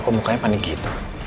kok mukanya panik gitu